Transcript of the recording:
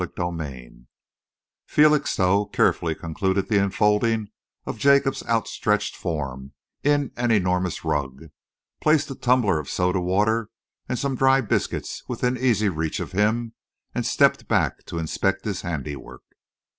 CHAPTER XXIV Felixstowe carefully concluded the enfolding of Jacob's outstretched form in an enormous rug, placed a tumbler of soda water and some dry biscuits within easy reach of him, and stepped back to inspect his handiwork.